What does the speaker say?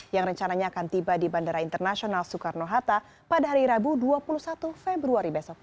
yang rencananya akan tiba di bandara internasional soekarno hatta pada hari rabu dua puluh satu februari besok